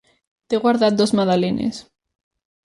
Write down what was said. T’he guardat dos magdalenes.